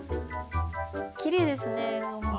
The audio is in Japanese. きれいですね。